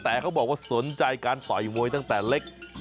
แต่เขาบอกว่าสนใจการต่อยมวยตั้งแต่เล็ก